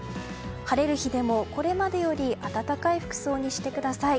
晴れる日でも、これまでより暖かい服装にしてください。